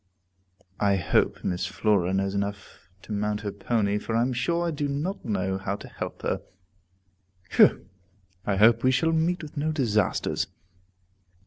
I hope Miss Flora knows enough to mount her pony, for I am sure I do not know how to help her. Whew! I hope we shall meet with no disasters!